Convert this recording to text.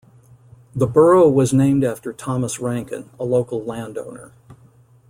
The borough was named after Thomas Rankin, a local landowner.